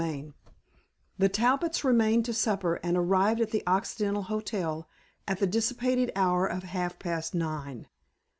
III The Talbots remained to supper and arrived at the Occidental Hotel at the dissipated hour of half past nine.